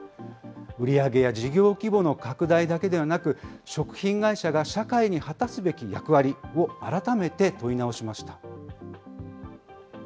売り上げや事業規模の拡大だけではなく、食品会社が社会に果たすべき役割を改めて問い直しました。